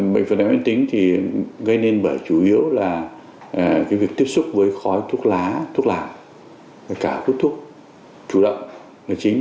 bệnh phổi tắc nghẽn mãn tính thì gây nên bởi chủ yếu là cái việc tiếp xúc với khói thuốc lá thuốc lạc cả hút thuốc chủ động là chính